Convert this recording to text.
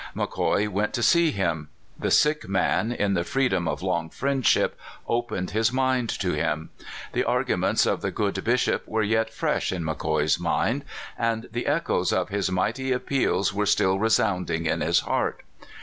McCoy went to see him. The sick man, in the freedom of long friend ship, opened his mind to him. The arguments of the good Bishop were yet fresh in McCoy's mind, and the echoes of his mighty appeals were still sounding in his heart.